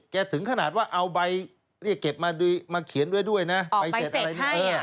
แกถึงขนาดว่าเอาใบเก็บมาเขียนด้วยนะออกไปเสร็จให้